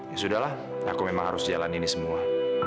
ya sudah lah aku memang harus jalan ini semua